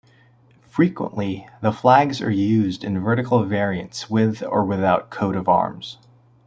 Frequently, the flags are used in vertical variants with or without coat of arms.